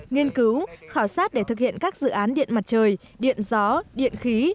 nghiên cứu khảo sát để thực hiện các dự án điện mặt trời điện gió điện khí